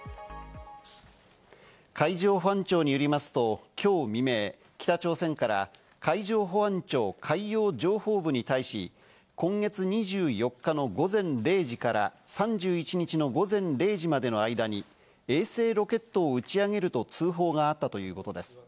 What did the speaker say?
海上保安庁によりますと、きょう未明、北朝鮮から海上保安庁・海洋情報部に対し、今月２４日の午前０時から３１日の午前０時までの間に、衛星ロケットを打ち上げると通報があったということです。